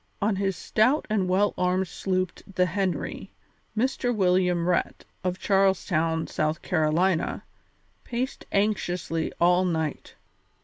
On his stout and well armed sloop the Henry, Mr. William Rhett, of Charles Town, South Carolina, paced anxiously all night.